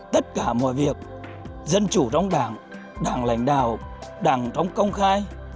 tất cả mọi việc dân chủ trong đảng đảng lãnh đạo đảng trong công khai